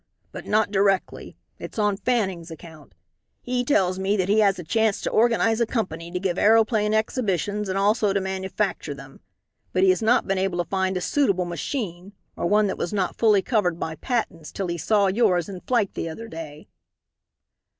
But not directly. It's on Fanning's account. He tells me that he has a chance to organize a company to give aeroplane exhibitions and also to manufacture them. But he has not been able to find a suitable machine, or one that was not fully covered by patents till he saw yours in flight the other day."